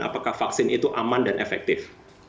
apakah vaksin itu aman dan efektif